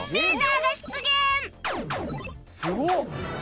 すごっ！